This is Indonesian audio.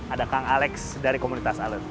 ada kang alex dari komunitas alert